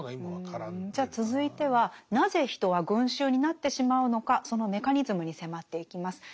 じゃあ続いてはなぜ人は群衆になってしまうのかそのメカニズムに迫っていきます。